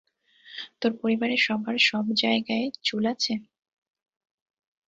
তোর পরিবারের সবার সব জায়গায় চুল আছে?